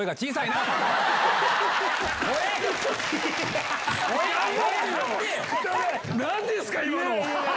なんですか、今の。